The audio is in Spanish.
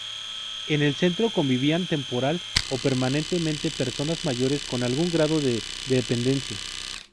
En el centro convivían temporal o permanentemente personas mayores con algún grado de dependencia.